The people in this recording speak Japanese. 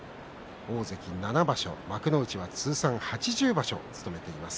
大関７場所、幕内は通算８０場所を務めています。